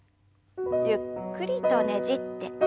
ゆっくりとねじって。